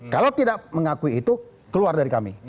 kalau tidak mengakui itu keluar dari kami